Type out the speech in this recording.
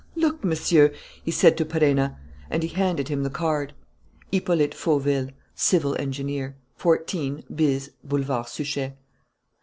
"Look, Monsieur," he said to Perenna. And he handed him the card. _Hippolyte Fauville, Civil Engineer. 14 bis Boulevard Suchet.